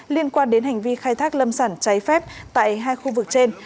liên quan đến hành vi khai thác lâm sản trái phép tại hai khu vực trên